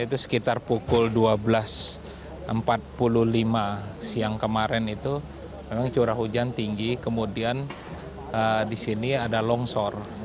itu sekitar pukul dua belas empat puluh lima siang kemarin itu memang curah hujan tinggi kemudian di sini ada longsor